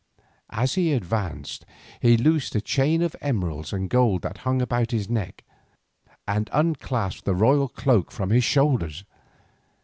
As he advanced he loosed a chain of emeralds and gold that hung about his neck, and unclasped the royal cloak from his shoulders.